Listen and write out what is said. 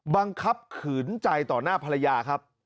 บังคับขืนใจต่อหน้าภรรยาครับ